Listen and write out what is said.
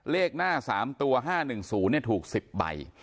เลขหน้า๓ตัว๕๑๐ถูก๑๐ใบ